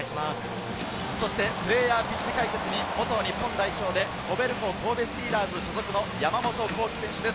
そしてプレーヤーピッチ解説に元日本代表でコベルコ神戸スティーラーズ所属の山本幸輝選手です。